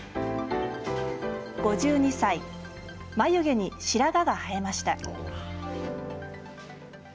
５２歳、眉毛に白髪が生えました。